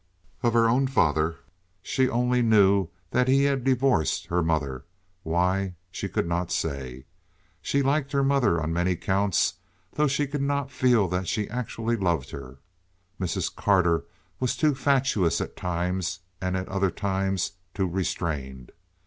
Of her own father she only knew that he had divorced her mother—why, she could not say. She liked her mother on many counts, though she could not feel that she actually loved her—Mrs. Carter was too fatuous at times, and at other times too restrained.